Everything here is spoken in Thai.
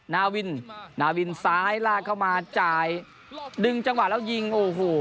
นาวินนาวินซ้ายลากเข้ามาจ่ายดึงจังหวะแล้วยิงโอ้โห